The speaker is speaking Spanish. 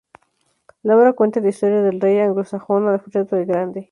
La obra cuenta la historia del rey anglosajón Alfredo el Grande.